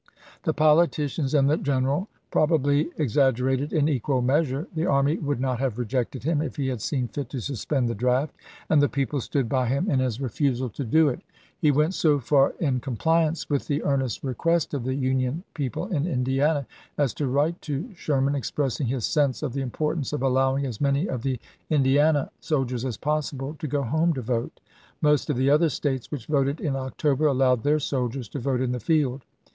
The politicians and the general probably exag gerated in equal measure; the army would not have rejected him if he had seen fit to suspend the draft ; and the people stood by him in his refusal LINCOLN KEELECTED 365 to do it. He went so far in compliance with the chap.xvi. earnest request of the Union people in Indiana as to write to Sherman expressing his sense of the importance of allowing as many of the Indiana soldiers as possible to go home to vote. Most of the other States which voted in October allowed their soldiers to vote in the field.